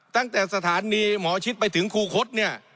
ตั้งแต่สถานีหมอชิดไปถึงครูคตเนี่ย